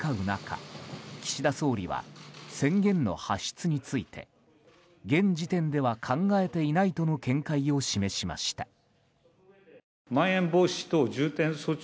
中岸田総理は宣言の発出について現時点では考えていないとの見解を示しました。